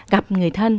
gặp người thân